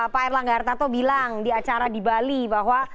pak erlangga hartato bilang di acara di bali bahwa